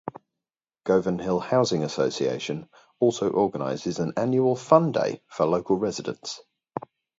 Govanhill Housing Association also organises an annual Fun Day for local residents.